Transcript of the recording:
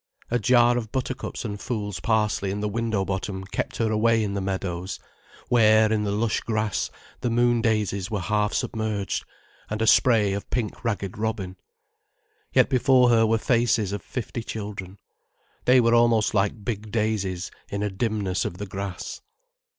A jar of buttercups and fool's parsley in the window bottom kept her away in the meadows, where in the lush grass the moon daisies were half submerged, and a spray of pink ragged robin. Yet before her were faces of fifty children. They were almost like big daisies in a dimness of the grass.